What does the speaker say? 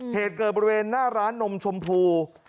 เหตุเกิดบริเวณหน้าร้านนมชมพู